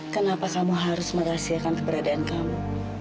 kenapa kamu harus merahasiakan keberadaan kamu